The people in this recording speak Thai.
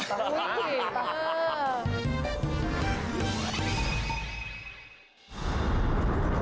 เออเออเออเออเออ